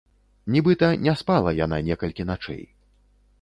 Нібыта не спала яна некалькі начэй.